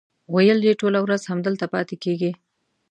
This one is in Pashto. ویل یې ټوله ورځ همدلته پاتې کېږي.